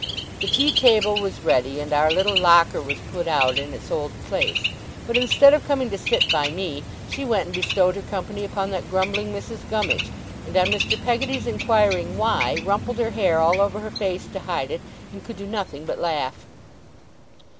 The tea table was ready, and our little locker was put out in its old place, but instead of coming to sit by me, she went and bestowed her company upon that grumbling Mrs. Gummidge: and on Mr. Peggotty's inquiring why, rumpled her hair all over her face to hide it, and could do nothing but laugh.